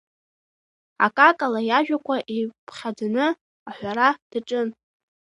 Акакала иажәақәа еиқәԥхьаӡаны аҳәара даҿын…